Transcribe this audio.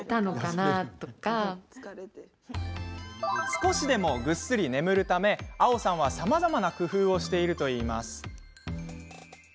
少しでも、ぐっすり眠るためあおさんは、さまざまな工夫をしているといいます。